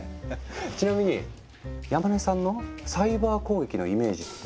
ちなみに山根さんのサイバー攻撃のイメージってどんな感じですか？